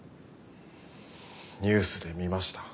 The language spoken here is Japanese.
ニュースで見ました。